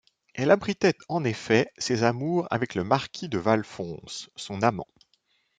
Elle abritait en effet ses amours avec le marquis de Valfons, son amant.